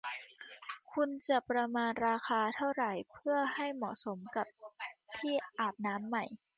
คุณจะประมาณราคาเท่าไหร่เพื่อให้เหมาะสมกับที่อาบน้ำใหม่